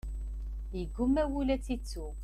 Yeggumma wul ad tt-yettu.